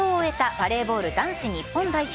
バレーボール男子日本代表。